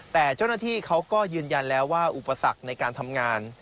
แต่เจ้าหน้าที่เขาก็ยืนยันแล้วว่าอุปสรรคในการทำงาน